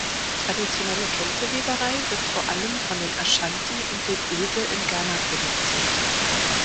Traditionelle Kente-Weberei wird vor allem von den Aschanti und den Ewe in Ghana produziert.